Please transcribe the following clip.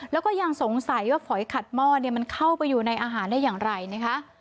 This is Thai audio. แล้วก็ยังสงสัยว่าฝอยขัดหม้อมันเข้าไปอยู่ในอาหารได้อย่างไรนะคะ